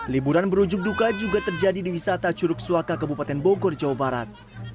liburan berujung duka juga terjadi di wisata curug suaka kebupaten bogor jawa barat